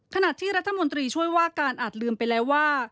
ขณะที่รัฐมนตรีช่วยว่าการอาจลืมไปแล้วว่า